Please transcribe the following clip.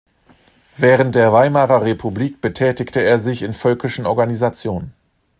Während der Weimarer Republik betätigte er sich in völkischen Organisationen.